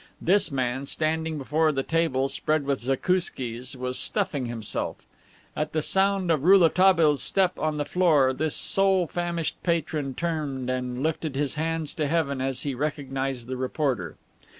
This man, standing before the table spread with zakouskis, was stuffing himself. At the sound of Rouletabille's step on the floor this sole famished patron turned and lifted his hands to heaven as he recognized the reporter.